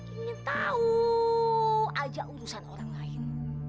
ingin tahu aja urusan orang lain